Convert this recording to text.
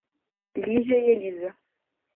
Lígia e Elisa